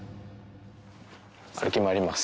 歩き回ります。